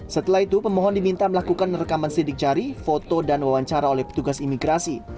setelah itu pemohon diminta melakukan rekaman sidik jari foto dan wawancara oleh petugas imigrasi